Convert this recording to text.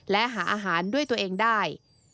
และหาอาหารด้วยตัวเองได้